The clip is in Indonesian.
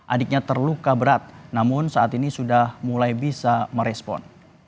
adiknya terluka berat namun saat ini sudah mulai bisa merespon